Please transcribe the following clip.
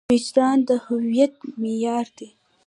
وجدان د هویت معیار دی.